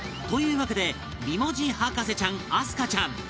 わけで美文字博士ちゃん明日香ちゃん